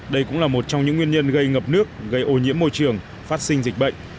đây cũng là một trong những nguyên nhân gây ngập nước gây ô nhiễm môi trường phát sinh dịch bệnh